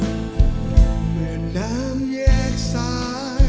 เหมือนน้ำแยกสาย